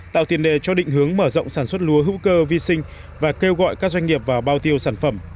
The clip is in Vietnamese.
tạo tiền đề cho định hướng mở rộng sản xuất lúa hữu cơ vi sinh và kêu gọi các doanh nghiệp vào bao tiêu sản phẩm